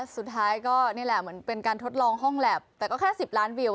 สุดท้ายก็นี่แหละเหมือนเป็นการทดลองห้องแล็บแต่ก็แค่๑๐ล้านวิว